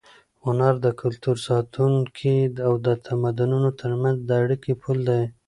هنر د کلتور ساتونکی او د تمدنونو تر منځ د اړیکې پُل دی.